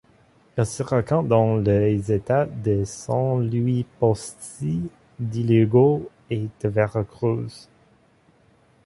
Elle se rencontre dans les États de San Luis Potosí, d'Hidalgo et de Veracruz.